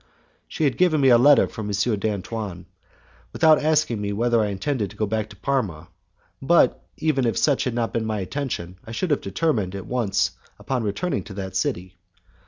She gave me a letter for M. d'Antoine, without asking me whether I intended to go back to Parma, but, even if such had not been my intention, I should have determined at once upon returning to that city.